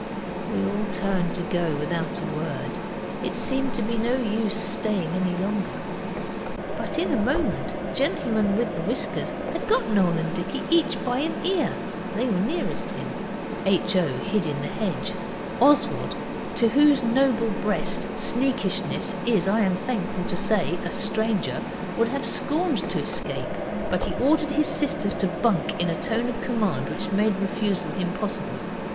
We all turned to go without a word, it seemed to be no use staying any longer. But in a moment the gentleman with the whiskers had got Noel and Dicky each by an ear they were nearest him. H. O. hid in the hedge. Oswald, to whose noble breast sneakishness is, I am thankful to say, a stranger, would have scorned to escape, but he ordered his sisters to bunk in a tone of command which made refusal impossible.